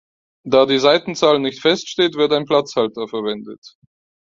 Da die Seitenzahl nicht feststeht, wird ein Platzhalter verwendet.